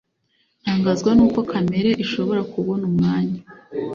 ntangazwa nuko kamere ishobora kubona umwanya